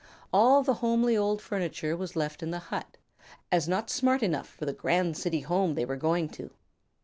All the homely old furniture was left in the hut, as not smart enough for the grand city home they were going to.